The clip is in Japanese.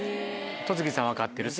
戸次さん分かってる。